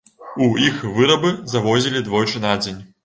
У іх вырабы завозілі двойчы на дзень.